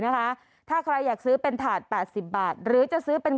นะคะถ้าใครอยากซื้อเป็นถาด๘๐บาทหรือจะซื้อเป็น